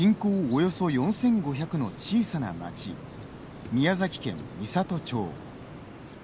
およそ４５００の小さな町宮崎県美郷町。